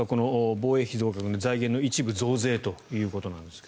防衛費増額の財源一部増税ということですが。